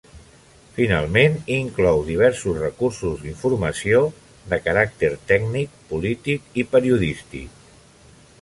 Finalment, inclou diversos recursos d'informació de caràcter tècnic, polític i periodístic.